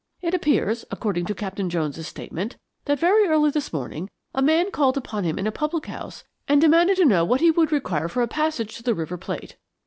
It appears, according to Captain Jones' statement, that very early this morning a man called upon him in a public house and demanded to know what he would require for a passage to the River Plate.